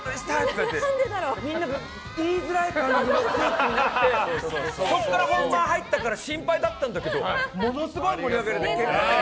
みんな言いづらい感じの空気になってそこから本番に入ったから心配だったんだけどものすごい盛り上がって。